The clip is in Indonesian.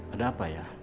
ada apa ya